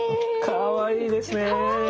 かわいいですね。